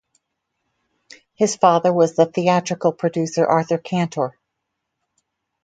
His father was the theatrical producer Arthur Cantor.